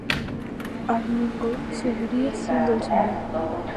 Armengol seguiría siendo el Señor.